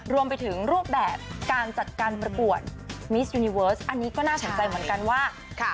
รวมไปถึงรูปแบบการจัดการประกวดมิสยูนิเวิร์สอันนี้ก็น่าสนใจเหมือนกันว่า